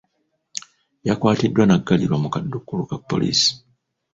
Yakwatiddwa n'aggalirwa mu kaduukulu ka poliisi.